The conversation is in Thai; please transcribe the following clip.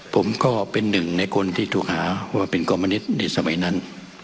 ผมก็เป็นหนึ่งในคนที่ถูกหาว่าเป็นกรมณิตในสมัยนั้น